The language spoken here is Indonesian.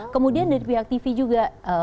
kemudian dari pihak tv juga